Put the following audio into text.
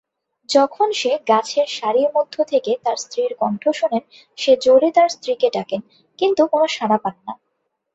যখন সে গাছের সারির মধ্য থেকে তার স্ত্রীর কণ্ঠ শোনেন সে জোরে তার স্ত্রীকে ডাকেন কিন্তু কোন সাড়া পান না।